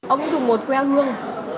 ông ấy dùng một que hương